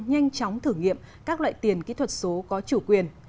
nhanh chóng thử nghiệm các loại tiền kỹ thuật số có chủ quyền